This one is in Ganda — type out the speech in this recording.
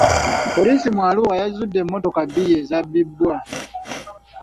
Poliisi mu Arua yazudde emmotoka bbiri ezabbibwa.